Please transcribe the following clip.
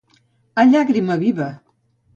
A llàgrima viva.